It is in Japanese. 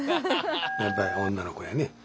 やっぱり女の子やね。